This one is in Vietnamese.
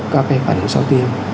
các phản ứng sau tiêm